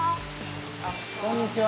あっこんにちは。